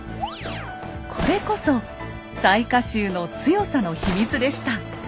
これこそ雑賀衆の強さの秘密でした。